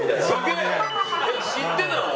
知ってたの？